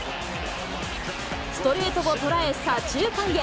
ストレートを捉え、左中間へ。